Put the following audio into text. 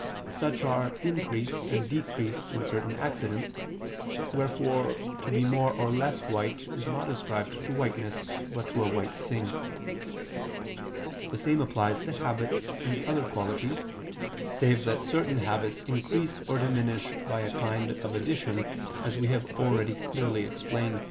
Such are increase and decrease in certain accidents: wherefore to be more or less white is not ascribed to whiteness but to a white thing. The same applies to habits and other qualities; save that certain habits and other qualities; save that certain habits increase or diminish by a kind of addition, as we have already clearly explained (Q.